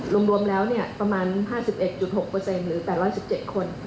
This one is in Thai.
รวมแล้วประมาณ๕๑๖หรือ๘๑๗คน